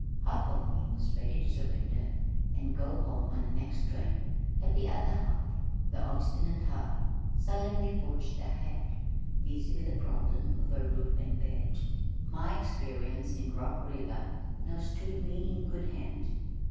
Half of me was ready to surrender and go home on the next train but the other half, the obstinate half, sullenly forged ahead, busy with the problem of a roof and bed. My experience in Rock River now stood me in good hand.